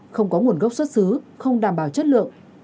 không có nguồn gốc xuất xứ không đảm bảo chất lượng